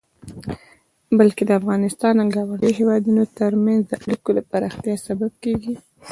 بلکې د افغانستان او ګاونډيو هيوادونو ترمنځ د اړيکو د پراختيا سبب کيږي.